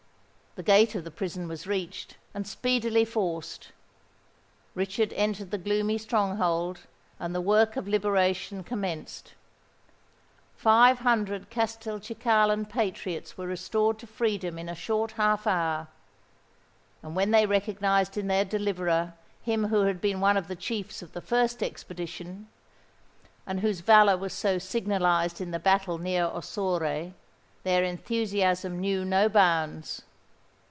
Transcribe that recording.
The gate of the prison was reached, and speedily forced: Richard entered the gloomy stronghold, and the work of liberation commenced. Five hundred Castelcicalan patriots were restored to freedom in a short half hour; and when they recognised in their deliverer him who had been one of the chiefs of the first expedition, and whose valour was so signalised in the battle near Ossore, their enthusiasm knew no bounds.